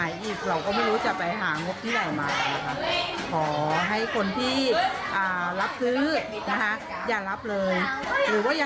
อันนี้เราก็เลยต้องเอาของเก่าซึ่งครึ่งเรามันบุบแล้วค่ะ